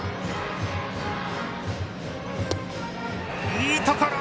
いいところ。